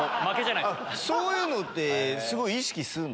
そういうのすごい意識するの？